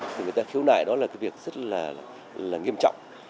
thì người ta khiếu nại đó là cái việc rất là nghiêm trọng